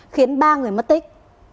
khiến ba người mất tích